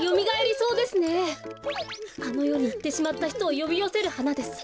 あのよにいってしまったひとをよびよせるはなです。